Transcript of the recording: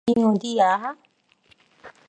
여긴 어디야?